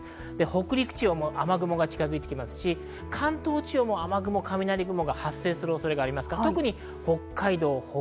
北陸地方も雨雲が近づいていますし、関東地方も雨雲、雷雲が発生する恐れがあります。